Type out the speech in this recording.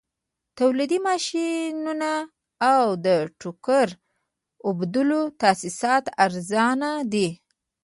تولیدي ماشینونه او د ټوکر اوبدلو تاسیسات ارزانه دي